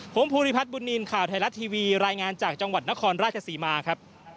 ผมภูริพัฒน์บุญนินทร์ข่าวไทยรัฐทีวีรายงานจากจังหวัดนครราชศรีมาครับ